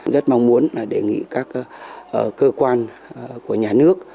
rất mong muốn đề nghị các cơ quan của nhà nước